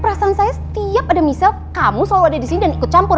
perasaan saya setiap ada misal kamu selalu ada di sini dan ikut campur